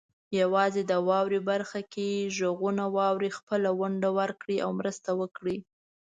یوازې د "واورئ" برخه کې غږونه واورئ، خپله ونډه ورکړئ او مرسته وکړئ.